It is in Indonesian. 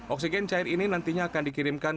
oksigen cair ini nantinya akan dikirimkan